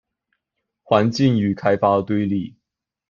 環境與開發的對立